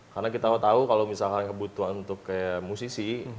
karena kita tau tau kalau misalkan kebutuhan untuk kayak musisi